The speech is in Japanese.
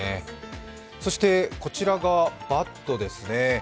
そしてこちらがバットですね。